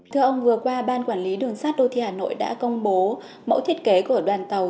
thưa ông vừa qua ban quản lý đường sát đô thị hà nội đã công bố mẫu thiết kế của đoàn tàu